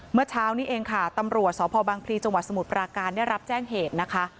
เมื่อเช้านี้เองค่ะตำรวจสพบังพลีจังหวัดสมุทรปราการได้รับแจ้งเหตุนะคะ